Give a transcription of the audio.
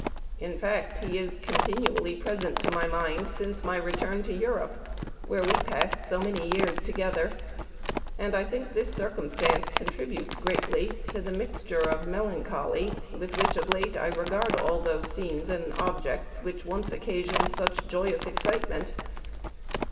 In fact he is con tinually present to my mind since my return to Europe, where we passed so many years to gether ; and I think this circumstance con tributes greatly to the mixture of melancholy with which of late I regard all those scenes and objects which once occasioned such joyous ex citement."